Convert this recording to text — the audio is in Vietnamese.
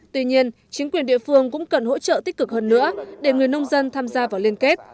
tuy nhiên chính quyền địa phương cũng cần hỗ trợ tích cực hơn nữa để người nông dân tham gia vào liên kết